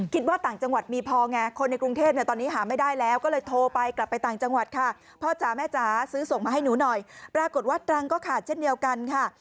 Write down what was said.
ต่างจังหวัดมีพอไงคนในกรุงเทพเนี่ยตอนนี้หาไม่ได้แล้วก็เลยโทรไปกลับไปต่างจังหวัดค่ะพ่อจ๋าแม่จ๋าซื้อส่งมาให้หนูหน่อยปรากฏว่าตรังก็ขาดเช่นเดียวกันค่ะ